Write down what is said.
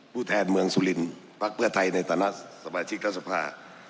ผู้แทนเมืองสุลินภักดิ์เพื่อไทยในศาลชิกรัฐสภา